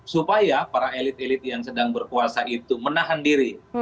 supaya para elit elit yang sedang berkuasa itu menahan diri